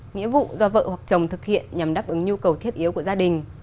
nghĩa vụ do vợ hoặc chồng thực hiện nhằm đáp ứng nhu cầu thiết yếu của gia đình